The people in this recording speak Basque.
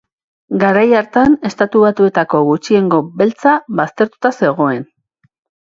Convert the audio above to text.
Garai hartan Estatu Batuetako gutxiengo beltza baztertuta zegoen.